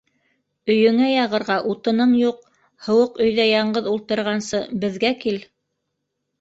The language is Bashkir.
Өйөңә яғырға утының юҡ, һыуыҡ өйҙә яңғыҙ ултырғансы, беҙгә кил.